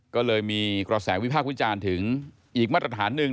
ก็เลยมีกระแสวิพากษ์วิจารณ์ถึงอีกมาตรฐานหนึ่ง